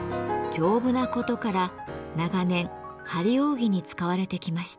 丈夫なことから長年張り扇に使われてきました。